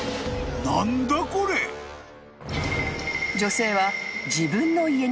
［女性は］